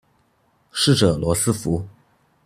逝者羅斯福